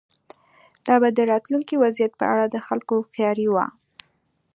دا به د راتلونکي وضعیت په اړه د خلکو هوښیاري وه.